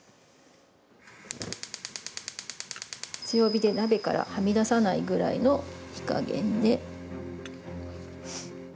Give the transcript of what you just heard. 強火で、鍋からはみ出さないくらいの火加減で。